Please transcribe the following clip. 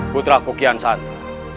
putraku kian santu